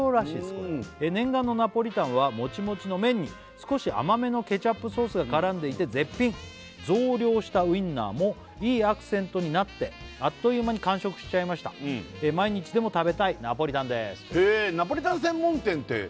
これ念願のナポリタンはモチモチの麺に少し甘めのケチャップソースが絡んでいて絶品増量したウインナーもいいアクセントになってあっという間に完食しちゃいました毎日でも食べたいナポリタンですへえ！